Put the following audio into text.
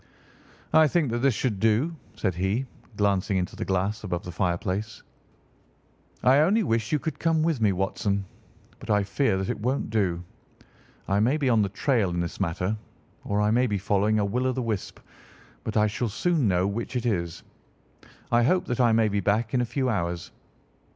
"I think that this should do," said he, glancing into the glass above the fireplace. "I only wish that you could come with me, Watson, but I fear that it won't do. I may be on the trail in this matter, or I may be following a will o' the wisp, but I shall soon know which it is. I hope that I may be back in a few hours."